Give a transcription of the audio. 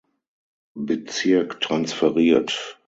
Bezirk transferiert.